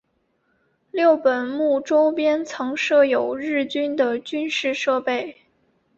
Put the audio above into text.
六本木周边曾设有日军的军事设施。